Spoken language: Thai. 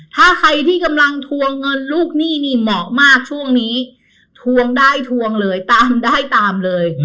ถ้าใครที่กำลังทวงเงินลูกหนี้นี่เหมาะมากช่วงนี้ทวงได้ทวงเลยตามได้ตามเลย